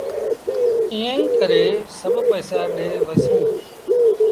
ايٚئيٚن ڪري سڀ پئيسآ ڏي وهيٚسون۔